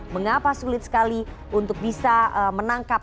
mengapa sulit sekali untuk bisa menangkap